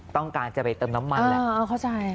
ต้องการจะไปเติมน้ำมันเออเข้าใจ